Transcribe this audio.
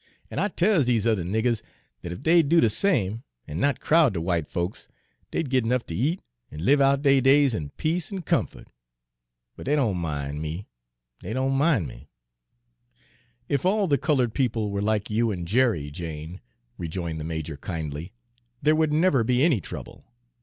An' I tells dese other niggers dat ef dey'd do de same, an' not crowd de w'ite folks, dey'd git ernuff ter eat, an' live out deir days in peace an' comfo't. But dey don' min' me dey don' min' me!" "If all the colored people were like you and Jerry, Jane," rejoined the major kindly, "there would never be any trouble.